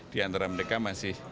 di antara mereka masih